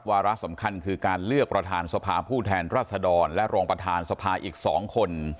วาระสำคัญคือการเลือกประธานสภาผู้แทนรัศดรและรองประธานสภาอีก๒คน